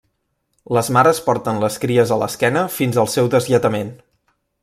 Les mares porten les cries a l'esquena fins al seu deslletament.